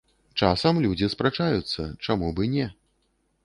Часам людзі спрачаюцца, чаму б і не.